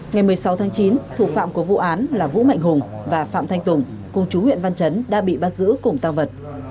ngày một mươi sáu tháng chín thủ phạm của vụ án là vũ mạnh hùng và phạm thanh tùng cùng chú huyện văn chấn đã bị bắt giữ cùng tăng vật